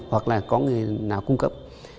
hoặc là có người nào cung cấp